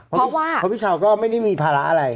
เพราะพี่เช้าก็ไม่ได้มีภาระอะไร